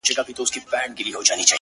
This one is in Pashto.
ستا هره گيله مي لا په ياد کي ده ـ